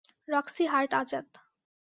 Roxie Hart Azad.